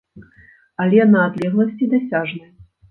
Але на адлегласці дасяжнай.